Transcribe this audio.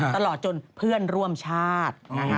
ตลอดจนเพื่อนร่วมชาติ